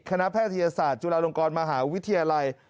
แพทยศาสตร์จุฬาลงกรมหาวิทยาลัย